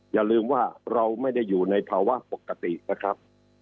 อย่าลืมว่าเราไม่ได้อยู่ในภาวะปกตินะครับ